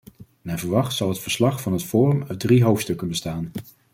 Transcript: Naar verwacht zal het verslag van het forum uit drie hoofdstukken bestaan.